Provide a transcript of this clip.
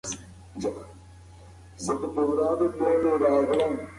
ما باید نن د خپلې کوژدنې سره لیدلي وای.